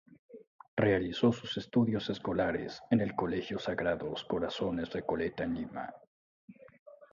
Realizó sus estudios escolares en el Colegio Sagrados Corazones Recoleta en Lima.